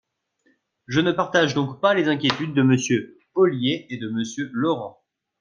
Je ne partage donc pas les inquiétudes de Monsieur Ollier et de Monsieur Laurent.